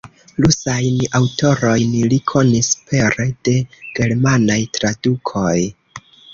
Rusajn aŭtorojn li konis pere de germanaj tradukoj.